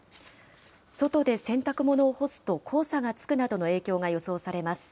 外で洗濯物を干すと、黄砂がつくなどの影響が予想されます。